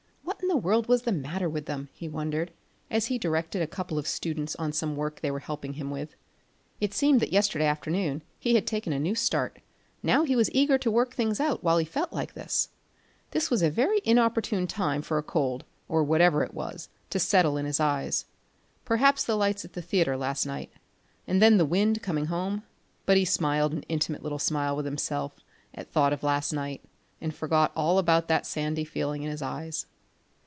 What in the world was the matter with them, he wondered, as he directed a couple of students on some work they were helping him with. It seemed that yesterday afternoon he had taken a new start; now he was eager to work things out while he felt like this. This was a very inopportune time for a cold, or whatever it was, to settle in his eyes. Perhaps the lights at the theatre last night, and then the wind coming home but he smiled an intimate little smile with himself at thought of last night and forgot all about that sandy feeling in his eyes.